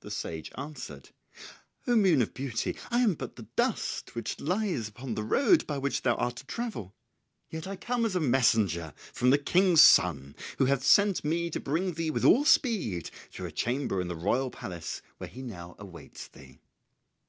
The sage answered, "O moon of beauty, I am but the dust which lies upon the road by which thou art to travel. Yet I come as a messenger from the King's son who hath sent me to bring thee with all speed to a chamber in the royal palace where he now awaits thee."